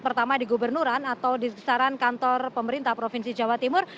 pertama di gubernuran atau di sesaran kantor pemerintah provinsi jawa timur